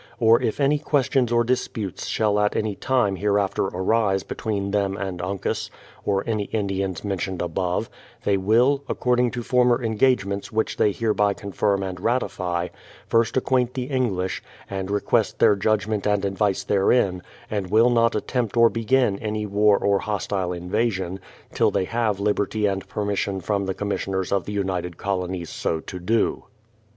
Or if any questions or disputes shall at any time hereafter arise between them and Uncas, or any Indians mentioned above, they will, according to former engage ments which they hereby confirm and ratify, first acquaint the English, and request their judgment and advice therein, and will not attempt or begin any war or hostile invasion, till they have liberty and permission from the Commissioners of the United Colonies so to do.